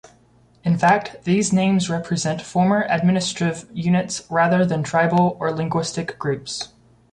In fact, these names represent former administrative units rather than tribal or linguistic groups.